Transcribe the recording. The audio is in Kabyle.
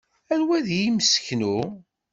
Anwa ay d imseknew?